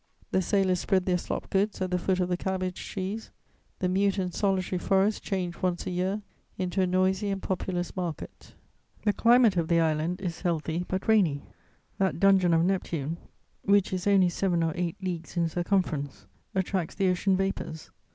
The sailors spread their slop goods at the foot of the cabbage trees: the mute and solitary forest changed once a year into a noisy and populous market. The climate of the island is healthy but rainy: that dungeon of Neptune, which is only seven or eight leagues in circumference, attracts the ocean vapours.